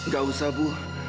gak usah bu